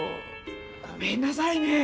ごめんなさいね。